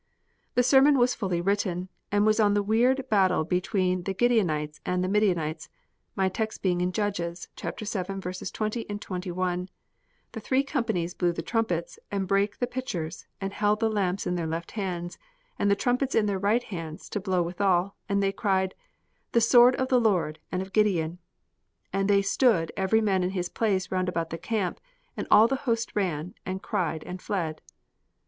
The sermon was fully written, and was on the weird battle between the Gideonites and Midianites, my text being in Judges vii. 20, 21: "The three companies blew the trumpets, and brake the pitchers, and held the lamps in their left hands, and the trumpets in their right hands to blow withal; and they cried, The sword of the Lord, and of Gideon. And they stood every man in his place round about the camp; and all the host ran, and cried, and fled."